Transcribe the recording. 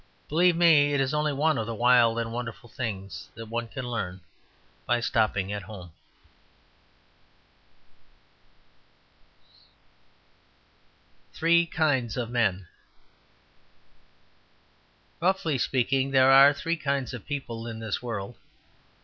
Believe me, it is only one of the wild and wonderful things that one can learn by stopping at home. The Three Kinds of Men Roughly speaking, there are three kinds of people in this world.